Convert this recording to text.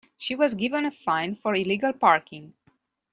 She was given a fine for illegal parking.